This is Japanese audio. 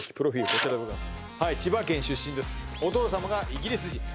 こちらでございます